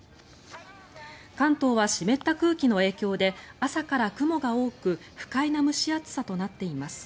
関東は湿った空気の影響で朝から雲が多く不快な蒸し暑さとなっています。